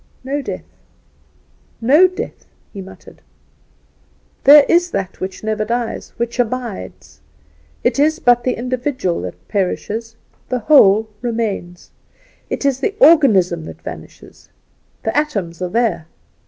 "No death, no death," he muttered; "there is that which never dies which abides. It is but the individual that perishes, the whole remains. It is the organism that vanishes, the atoms are there.